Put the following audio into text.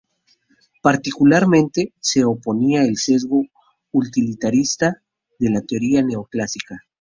Particularmente, se oponía al sesgo utilitarista de la teoría neoclásica.